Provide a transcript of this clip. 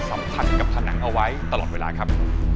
สัมผัสกับผนังเอาไว้ตลอดเวลาครับ